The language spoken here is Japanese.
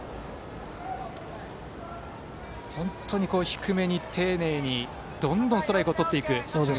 本当に、低めに丁寧にどんどんストライクをとっていくピッチング。